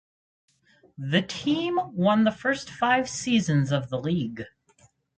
The team won the first five seasons of the league.